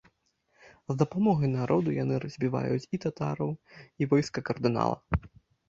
З дапамогай народу яны разбіваюць і татараў, і войска кардынала.